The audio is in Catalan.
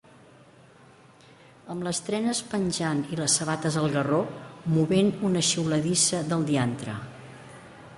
Amb les trenes penjant i les sabates al garró, movent una xiuladissa del diantre.